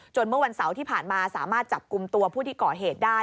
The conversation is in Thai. เมื่อวันเสาร์ที่ผ่านมาสามารถจับกลุ่มตัวผู้ที่ก่อเหตุได้